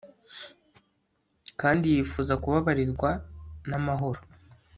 kandi yifuza kubabarirwa n'amahoro